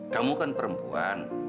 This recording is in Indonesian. kamu kan perempuan